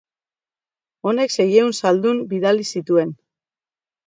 Honek seiehun zaldun bidali zituen.